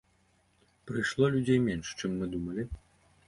Прыйшло людзей менш, чым мы думалі.